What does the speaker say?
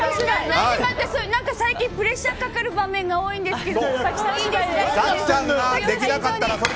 最近、プレッシャーがかかる場面が多いんですけど。